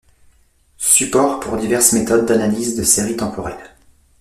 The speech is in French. Support pour diverses méthodes d'analyse de séries temporelles.